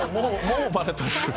もうバレた？